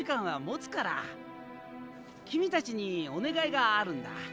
君たちにお願いがあるんだ。